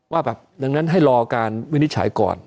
ว่าแบบดังนั้นให้รอการวินิจฉัยก่อน